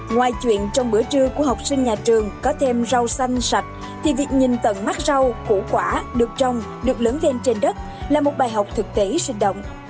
ngoài chuyện trong bữa trưa của học sinh nhà trường có thêm rau xanh sạch thì việc nhìn tận mắt rau củ quả được trồng được lớn lên trên đất là một bài học thực tế sinh động